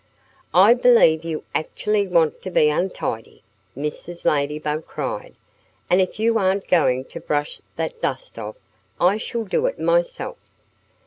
"I believe you actually want to be untidy!" Mrs. Ladybug cried. "And if you aren't going to brush that dust off, I shall do it myself!"